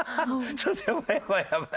ちょっとやばいやばいやばい。